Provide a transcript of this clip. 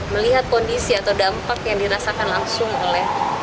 melihat kondisi atau dampak yang dirasakan langsung oleh